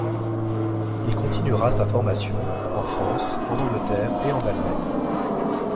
Il continuera sa formation en France, en Angleterre et en Allemagne.